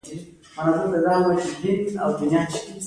د دې وسیلې تولیدوونکي هغه نیویارک ښار ته ور وغوښت